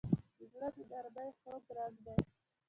زړه د نرمۍ خوږ رنګ دی.